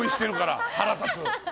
腹立つ！